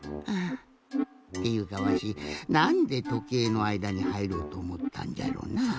っていうかわしなんでとけいのあいだにはいろうとおもったんじゃろなあ？